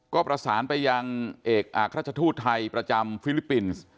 ก็ประสานไปยังเอกอักราชทูตไทยประจำฟิลิปปินส์